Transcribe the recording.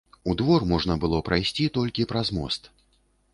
У двор можна было прайсці толькі праз мост.